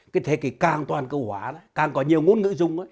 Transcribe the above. cái thế kỷ càng toàn cầu hóa càng có nhiều ngôn ngữ dùng